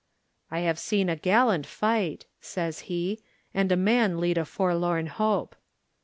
"I have seen a gallant fight," says he, "and a man lead a forlorn hope."